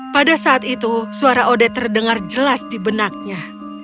pada saat itu suara odet terdengar jelas di benaknya